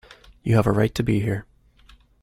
You have a right to be here.